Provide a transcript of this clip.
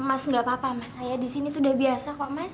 mas ga apa apa mas ayah disini sudah biasa kok mas